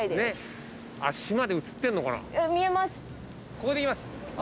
ここでいきます。